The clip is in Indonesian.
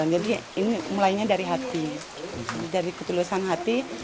jadi ini mulainya dari hati dari ketulusan hati